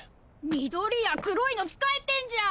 緑谷黒いの使えてんじゃん。